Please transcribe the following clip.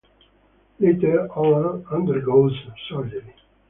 Later, Allan undergoes surgery.